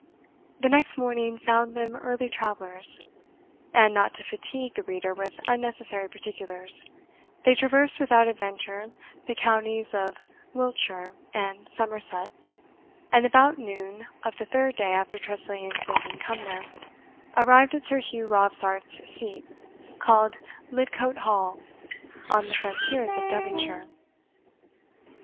The next morning found them early travellers. And, not to fatigue the reader with unnecessary particulars, they traversed without adventure the counties of Wiltshire and Somerset, and about noon of the third day after Tressilian's leaving Cumnor, arrived at Sir Hugh Robsart's seat, called Lidcote Hall, on the frontiers of Devonshire.